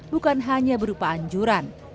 bukan hanya berupa anjuran